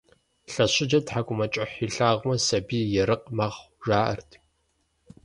Лъэщыджэм тхьэкӀумэкӀыхь илъагъумэ, сабийр ерыкъ мэхъу, жаӀэрт.